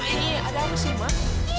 ini ada apa sih mas